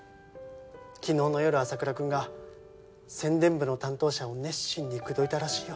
昨日の夜麻倉君が宣伝部の担当者を熱心に口説いたらしいよ。